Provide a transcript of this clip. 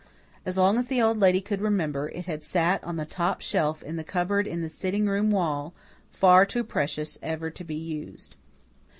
As long as the Old Lady could remember it had sat on the top shelf in the cupboard in the sitting room wall, far too precious ever to be used.